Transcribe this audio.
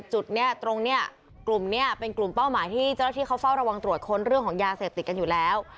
เจ้าหน้าที่เขาเฝ้าระวังตรวจค้นเรื่องของยาเสพติดกันอยู่แล้ว